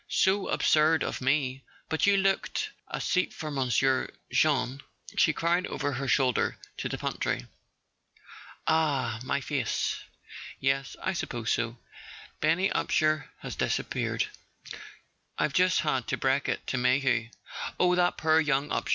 "So absurd of me. .. But you looked. .. A seat for monsieur, Jeanne," she cried over her shoulder to the pantry. "Ah—my face? Yes, I suppose so. Benny Upsher has disappeared—I've just had to break it to Mayhew." "Oh, that poor young Upsher?